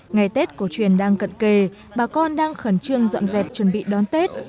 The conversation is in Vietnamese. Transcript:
ngày tết cổ truyền đang cận kề bà con đang khẩn trương dọn dẹp chuẩn bị đón tết